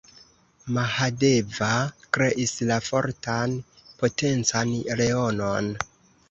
Mahadeva kreis la fortan, potencan leonon.